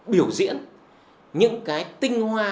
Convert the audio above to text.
biểu diễn những cái tinh hoa